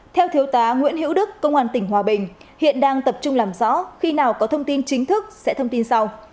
theo thiếu tá nguyễn hiễu đức công an tỉnh hòa bình hiện đang tập trung làm rõ khi nào có thông tin chính thức sẽ thông tin sau